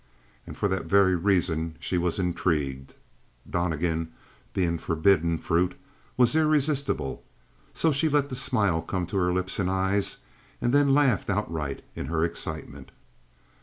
And for that very reason she was intrigued. Donnegan, being forbidden fruit, was irresistible. So she let the smile come to her lips and eyes, and then laughed outright in her excitement.